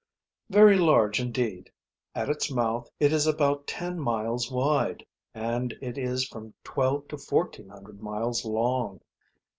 "Very large indeed. At its mouth it is about ten miles wide, and it is from twelve to fourteen hundred miles long.